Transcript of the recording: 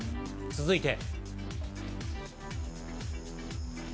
続いて。